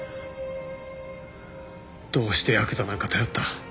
どうしてヤクザなんか頼った。